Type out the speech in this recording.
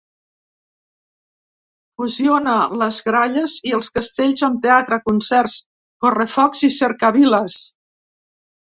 Fusiona les gralles i els castells amb teatre, concerts, correfocs i cercaviles.